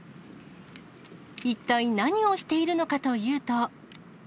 一体何をしているのかというと。